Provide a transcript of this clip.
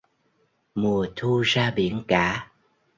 Mùa thu ra biển cả